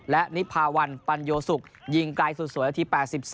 และนิพาวันปัญโยสุกยิงไกลสุดสวยนาที๘๒